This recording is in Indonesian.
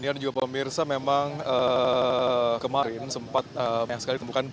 ya dan juga pemirsa memang kemarin sempat banyak sekali ditemukan